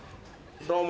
どうも。